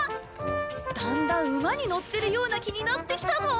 だんだん馬に乗ってるような気になってきたぞ！